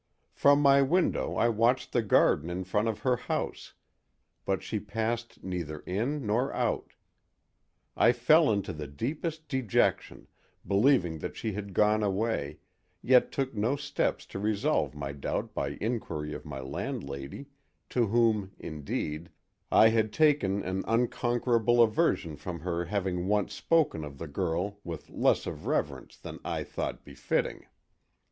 From my window I watched the garden in front of her house, but she passed neither in nor out. I fell into the deepest dejection, believing that she had gone away, yet took no steps to resolve my doubt by inquiry of my landlady, to whom, indeed, I had taken an unconquerable aversion from her having once spoken of the girl with less of reverence than I thought befitting.